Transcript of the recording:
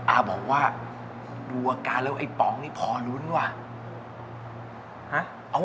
อาบอกว่าดูอาการแล้วไอ้ป๋องนี่พอลุ้นว่ะ